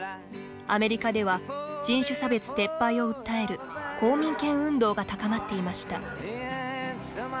アメリカでは人種差別撤廃を訴える公民権運動が高まっていました。